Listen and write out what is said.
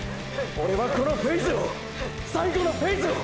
オレはこのフェイズを最後のフェイズを！！